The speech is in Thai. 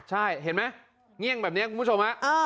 ใช่เห็นไหมเงี่ยงแบบนี้คุณผู้ชมฮะ